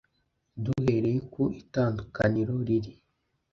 Duhereye ku itandukaniro riri